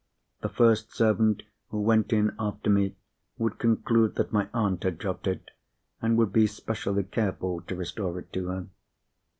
The first servant who went in after me would conclude that my aunt had dropped it, and would be specially careful to restore it to her.